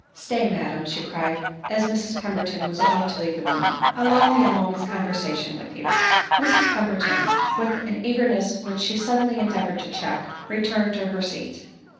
" Stay, madam," she cried, as Mrs Pemberton was about to leave the room, " allow me a moment's conver sation with you." Mrs Pemberton, with an eagerness whieh she suddenly endeavored to check, returned to her seat.